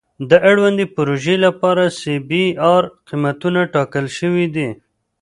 د اړوندې پروژې لپاره سی بي ار قیمتونه ټاکل شوي دي